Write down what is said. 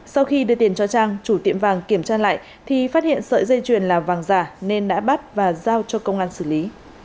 sau khi đưa tiền cho trang chủ tiệm vàng kiểm tra lại thì phát hiện sợi dây chuyền là vàng giả nên đã bắt và giao cho công an xử lý